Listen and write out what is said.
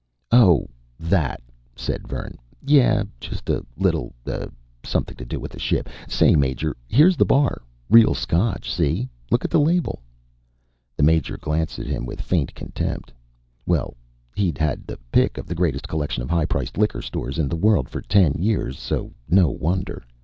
"Oh, that," said Vern. "Yeah. Just a little, uh, something to do with the ship. Say, Major, here's the bar. Real scotch, see? Look at the label!" The Major glanced at him with faint contempt well, he'd had the pick of the greatest collection of high priced liquor stores in the world for ten years, so no wonder.